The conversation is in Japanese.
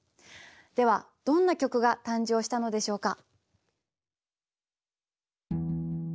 ではどんな曲が誕生したのでしょうか？